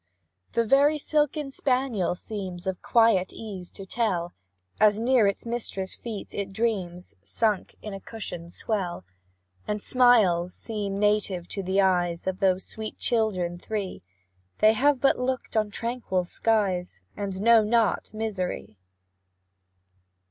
The very silken spaniel seems Of quiet ease to tell, As near its mistress' feet it dreams, Sunk in a cushion's swell And smiles seem native to the eyes Of those sweet children, three; They have but looked on tranquil skies, And know not misery.